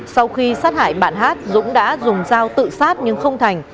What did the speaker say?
sau khi sát hại bạn hát dũng đã dùng dao tự sát nhưng không thành